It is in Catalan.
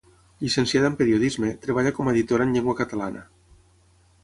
Llicenciada en periodisme, treballa com a editora en llengua catalana.